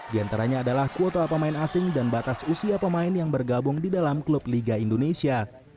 di antaranya adalah kuota pemain asing dan batas usia pemain yang bergabung di dalam klub liga indonesia